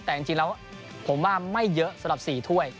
แต่จริงแล้วผมว่าไม่เยอะสำหรับ๔ถ้วย